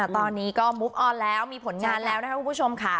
ตอนนี้ก็มุกออนแล้วมีผลงานแล้วนะคะคุณผู้ชมค่ะ